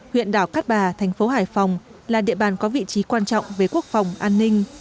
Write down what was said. huyện đảo cát bà thành phố hải phòng là địa bàn có vị trí quan trọng về quốc phòng an ninh